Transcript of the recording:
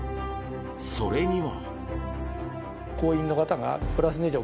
それには。